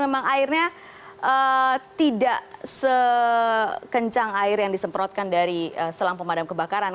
memang airnya tidak sekencang air yang disemprotkan dari selang pemadam kebakaran